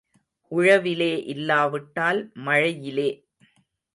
உழவிலே இல்லாவிட்டால் மழையிலே.